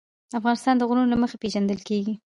افغانستان د غرونه له مخې پېژندل کېږي.